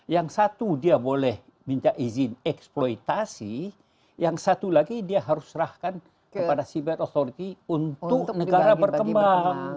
yang satu dia boleh minta izin eksploitasi yang satu lagi dia harus serahkan kepada seabed authority untuk negara berkembang